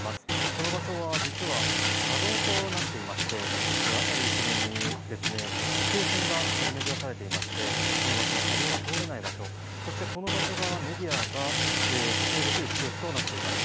この場所は実は車道となっていまして、辺り一面に規制線が張り巡らされていまして、この場所は車両が通れない場所、そしてこの場所はメディアが撮影できる場所となっています。